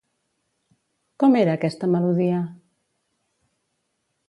Com era aquesta melodia?